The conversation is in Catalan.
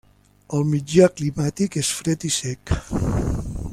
El mitjà climàtic és fred i sec.